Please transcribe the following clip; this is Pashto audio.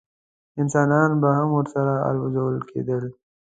انسانان به هم ورسره الوزول کېدل.